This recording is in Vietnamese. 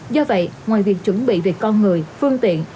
do vậy ngoài việc chuẩn bị về con người phương tiện